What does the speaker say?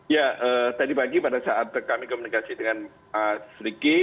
ya tadi pagi pada saat kami komunikasi dengan sriki